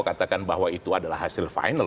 katakan bahwa itu adalah hasil final